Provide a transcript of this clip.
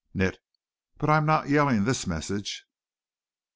"Nit. But I'm not yellin' this message."